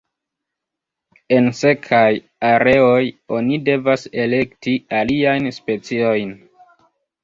En sekaj areoj oni devas elekti aliajn speciojn.